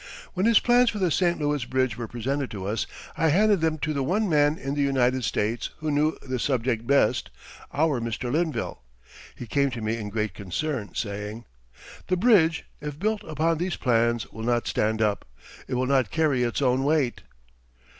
When his plans for the St. Louis Bridge were presented to us, I handed them to the one man in the United States who knew the subject best our Mr. Linville. He came to me in great concern, saying: "The bridge if built upon these plans will not stand up; it will not carry its own weight."